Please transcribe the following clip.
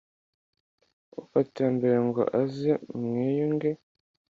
ufata iya mbere ngo aze mwiyunge